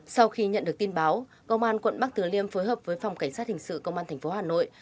sau khi nhận được tin báo công an quận bắc từ liêm phối hợp với phòng cảnh sát hình sự công an tp hà nội